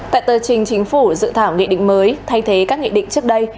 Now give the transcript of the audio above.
tại tờ trình chính phủ dự thảo nghị định mới thay thế các nghị định trước đây